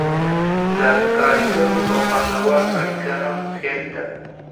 د کارګر او پانګهوال اړیکه هم خیالي ده.